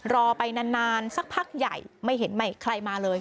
รอไปนานสักพักใหญ่ไม่เห็นใครมาเลย